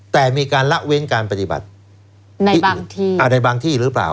แต่มีการละเว้นการปฏิบัติในบางที่หรือเปล่า